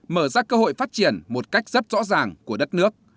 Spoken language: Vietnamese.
mở ra cơ hội phát triển một cách rất rõ ràng của đất nước